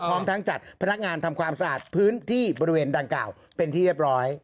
พร้อมทั้งจัดพนักงานทำความสะอาดพื้นที่บริเวณดังกล่าวเป็นที่เรียบร้อย